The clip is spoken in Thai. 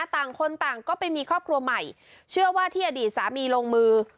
ต่างคนต่างก็ไปมีครอบครัวใหม่เชื่อว่าที่อดีตสามีลงมือ